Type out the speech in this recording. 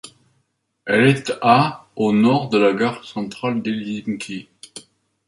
Elle est à au nord de la Gare centrale d'Helsinki.